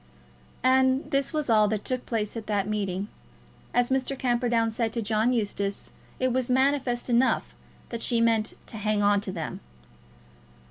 And this was all that took place at that meeting. As Mr. Camperdown said to John Eustace, it was manifest enough that she meant "to hang on to them."